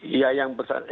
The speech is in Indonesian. ya yang bersangkutan